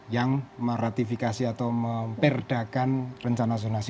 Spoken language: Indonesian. yang meratifikasi atau memperdakan rencana zonasi